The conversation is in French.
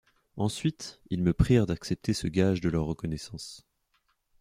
Ensuite, ils me prièrent d'accepter ce gage de leur reconnaissance.